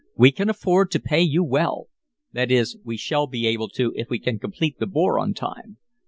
We can afford to pay you well that is, we shall be able to if we can complete the bore on time.